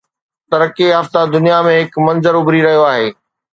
ترقي يافته دنيا ۾ هڪ منظر اڀري رهيو آهي.